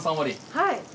はい。